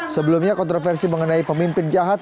sebelumnya kontroversi mengenai pemimpin jahat